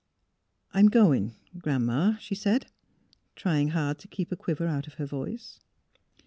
'' I'm — going. Gran 'ma," she said, trying hard to keep a quiver out of her voice.